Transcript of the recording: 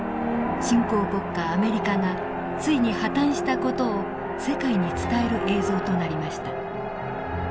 新興国家アメリカがついに破綻した事を世界に伝える映像となりました。